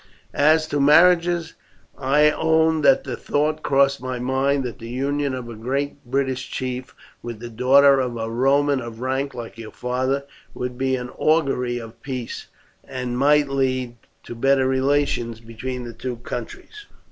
As to marriages, I own that the thought crossed my mind that the union of a great British chief with the daughter of a Roman of rank like your father would be an augury of peace, and might lead to better relations between the two countries."